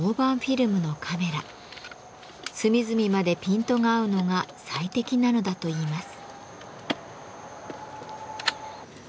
隅々までピントが合うのが最適なのだといいます。